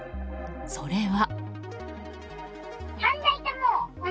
それは。